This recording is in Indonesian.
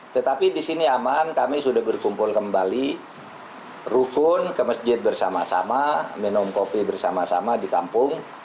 tetapi di sini aman kami sudah berkumpul kembali rukun ke masjid bersama sama minum kopi bersama sama di kampung